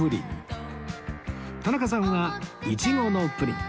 田中さんはイチゴのプリン